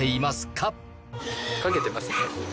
かけてますね。